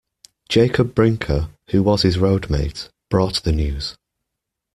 Jacob Brinker, who was his roadmate, brought the news.